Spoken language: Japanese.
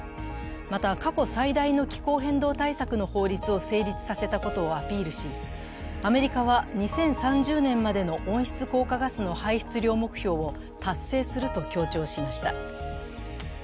また過去最大の気候変動対策の法律を成立させたことをアピールしアメリカは２０３０年までの温室効果ガスの排出量目標を達成すると強調しました。